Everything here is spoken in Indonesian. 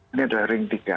ini adalah ring tiga